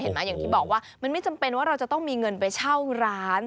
อย่างที่บอกว่ามันไม่จำเป็นว่าเราจะต้องมีเงินไปเช่าร้าน